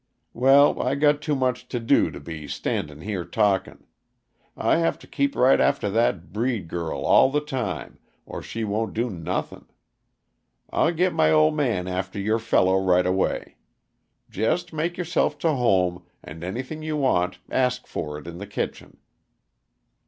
Well, I got too much to do to be standin' here talkin'. I have to keep right after that breed girl all the time, or she won't do nothing. I'll git my old man after your fellow right away. Jest make yourself to home, and anything you want ask for it in the kitchen."